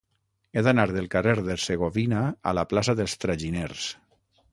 He d'anar del carrer d'Hercegovina a la plaça dels Traginers.